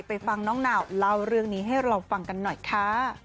ฟังน้องนาวเล่าเรื่องนี้ให้เราฟังกันหน่อยค่ะ